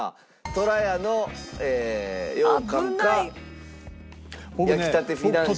とらやの羊羹か焼きたてフィナンシェか。